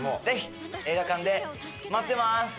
ぜひ映画館で待ってます！